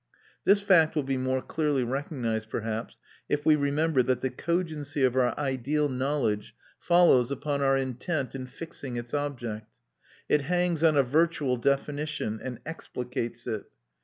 This fact will be more clearly recognised, perhaps, if we remember that the cogency of our ideal knowledge follows upon our intent in fixing its object. It hangs on a virtual definition, and explicates it.